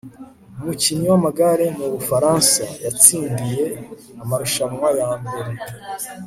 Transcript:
umukinnyi w'amagare mu bufaransa, yatsindiye amarushanwa ya mbere